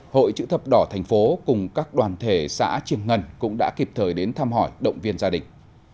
hội chữ thập đỏ thành phố cùng các đoàn thể xã trường ngân cũng đã kịp thời đến thăm hỏi động viên gia đình